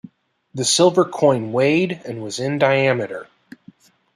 The silver coin weighed and was in diameter.